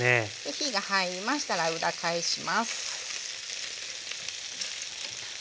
火が入りましたら裏返します。